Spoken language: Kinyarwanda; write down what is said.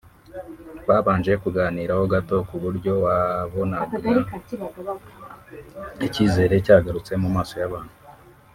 Babanje kuganiraho gato ku buryo wabonaga icyizere cyagarutse mu maso y'abantu